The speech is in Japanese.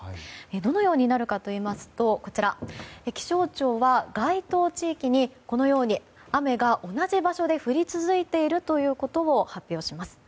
どのようになるかといいますと気象庁は該当地域にこのように雨が同じ場所で降り続いているということを発表します。